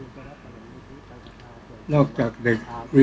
ก็ต้องทำอย่างที่บอกว่าช่องคุณวิชากำลังทำอยู่นั่นนะครับ